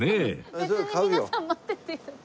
別に皆さん待ってて頂いて。